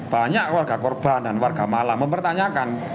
banyak warga korban dan warga malam mempertanyakan